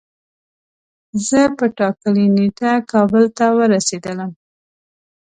زه په ټاکلی نیټه کابل ته ورسیدلم